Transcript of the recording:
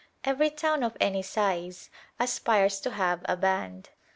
Every town of any size aspires to have a band.